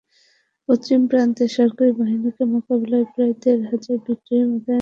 পশ্চিম প্রান্তে সরকারি বাহিনীকে মোকাবিলায় প্রায় দেড় হাজার বিদ্রোহী মোতায়েন ছিল।